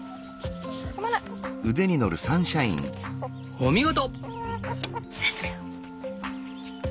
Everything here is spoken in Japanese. お見事！